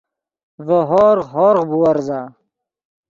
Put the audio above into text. ڤے ہورغ، ہورغ بُورزا